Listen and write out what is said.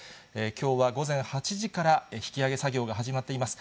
きょうは午前８時から引き揚げ作業が始まっています。